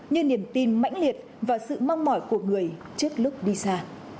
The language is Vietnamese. như niềm tin mãnh liệt và sự mong mỏi của người trước lúc đi xa